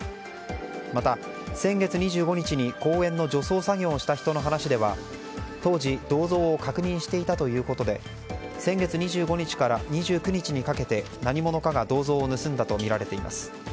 また、先月２５日に公園の除草作業した人の話では当時、銅像を確認していたということで先月２５日から２９日にかけて何者かが銅像を盗んだとみられています。